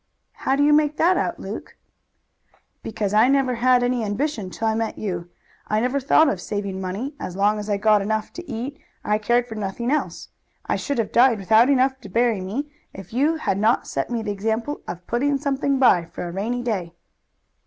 "How do you make that out, Luke?" "Because I never had any ambition till I met you. I never thought of saving money; as long as I got enough to eat I cared for nothing else. I should have died without enough to bury me if you had not set me the example of putting something by for a rainy day."